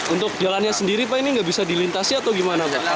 untuk jalannya sendiri pak ini nggak bisa dilintasi atau gimana pak